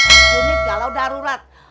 unit galau darurat